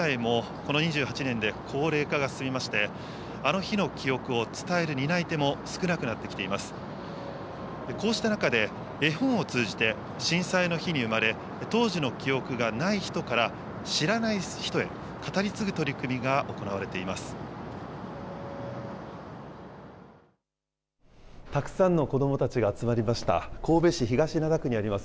こうした中で、絵本を通じて震災の日に産まれ、当時の記憶がない人から、知らない人へ語り継ぐ取り組みが行われています。